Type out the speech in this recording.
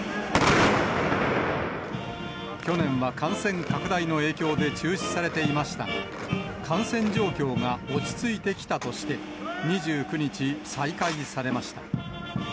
去年は感染拡大の影響で中止されていましたが、感染状況が落ち着いてきたとして、２９日、再開されました。